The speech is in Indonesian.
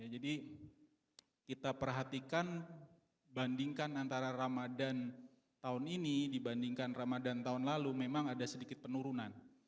jadi kita perhatikan bandingkan antara ramadhan tahun ini dibandingkan ramadhan tahun lalu memang ada sedikit penurunan